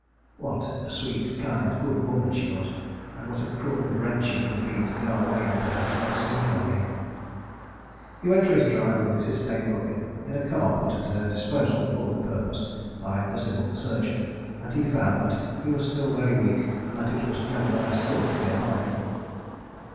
("What a sweet, kind, good woman she was! And what a cruel wrench it would be to go away and perhaps never see her again. ...") He went for his drive with Mrs. Stayne Brooker in a car put at her disposal, for the purpose, by the Civil Surgeon; and found he was still very weak and that it was nevertheless good to be alive.